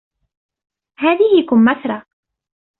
هذه كمثرى